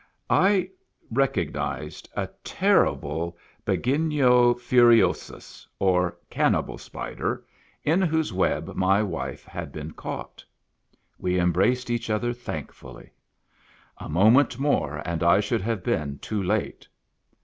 I recognized a terrible Bogino furhsns, or Cannibal Spider, in whose web my wife had been caught. We embraced each other thankfully. A moment more, and I should have been too late.